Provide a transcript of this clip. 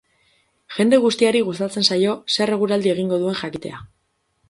Jende guztiari gustatzen zaio zer eguraldi egingo duen jakitea.